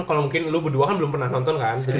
kalau mungkin lu berdua kan belum pernah nonton kan